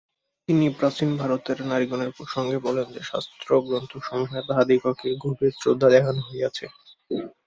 তিনি প্রাচীন ভারতের নারীগণের প্রসঙ্গে বলেন যে, শাস্ত্রগ্রন্থসমূহে তাঁহাদিগকে গভীর শ্রদ্ধা দেখান হইয়াছে।